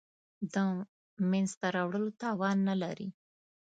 د منځته راوړلو توان نه لري.